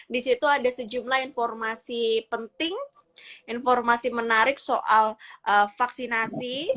di situ ada sejumlah informasi penting informasi menarik soal vaksinasi